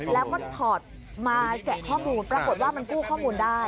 แล้วก็ถอดมาแกะข้อมูลปรากฏว่ามันกู้ข้อมูลได้